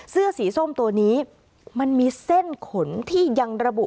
เสื้อสีส้มตัวนี้มันมีเส้นขนที่ยังระบุ